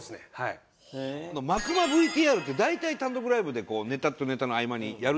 幕間ＶＴＲって大体単独ライブでこうネタとネタの合間にやる。